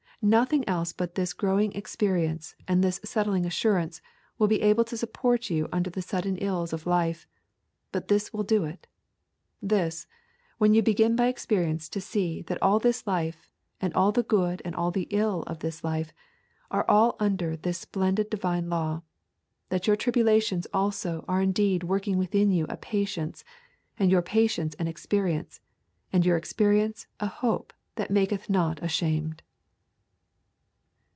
Nothing else but this growing experience and this settling assurance will be able to support you under the sudden ills of life; but this will do it. This, when you begin by experience to see that all this life, and all the good and all the ill of this life, are all under this splendid divine law, that your tribulations also are indeed working within you a patience, and your patience an experience, and your experience a hope that maketh not ashamed.